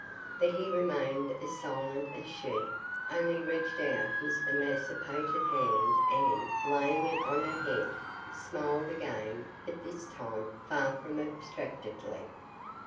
But he remained as silent as she, only reached out his emaciated hand and, laying it on her head, smiled again but this time far from abstractedly.